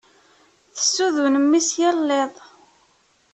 Tessudun mmi-s yal iḍ.